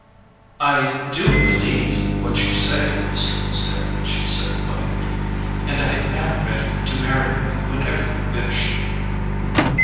"I DO believe what you say, Mr. Rosedale," she said quietly; "and I am ready to marry you whenever you wish."